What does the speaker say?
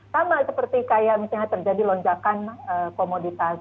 sama seperti kayak misalnya terjadi lonjakan komoditas